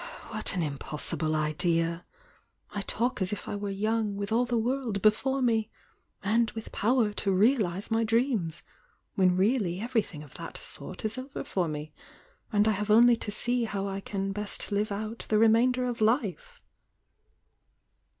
"What an impossible idea! I talk as if I were young, wWh all the world before mel— and with power to realise my dreams!— when really everything of that sort is over for me, and I have only to sej how I can best live out the remainder of life!"